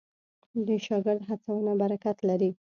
د شاګرد هڅونه برکت لري.